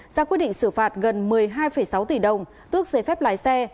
ra quyết định xử phạt gần một mươi hai sáu tỷ đồng tước giấy phép lái xe